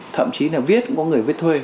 thậm chí là viết cũng có người viết thuê